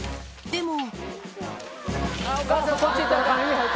でも。